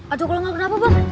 atau kalo enggak kenapa bang